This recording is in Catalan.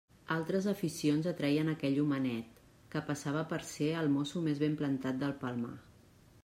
Altres aficions atreien aquell homenet, que passava per ser el mosso més ben plantat del Palmar.